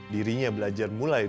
dirinya belajar mulai dari